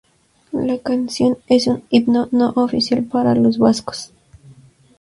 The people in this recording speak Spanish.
La canción es un himno no oficial para los vascos.